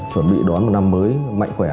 chuẩn bị đón một năm mới mạnh khỏe